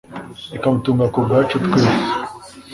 ikamutanga ku bwacu twese,